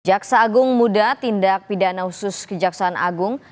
jaksa agung muda tindak pidana khusus kejaksaan agung